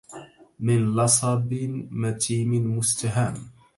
من لصب متيم مستهام